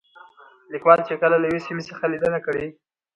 ليکوال چې کله له يوې سيمې څخه ليدنه کړې